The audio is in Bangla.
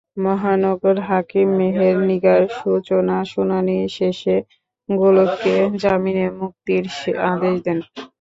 মহানগর হাকিম মেহের নিগার সূচনা শুনানি শেষে গোলককে জামিনে মুক্তির আদেশ দেন।